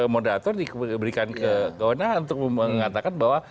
moderator diberikan ke kawanan untuk mengatakan bahwa